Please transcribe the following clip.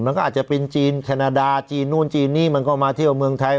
มันก็อาจจะเป็นจีนแคนาดาจีนนู่นจีนนี่มันก็มาเที่ยวเมืองไทย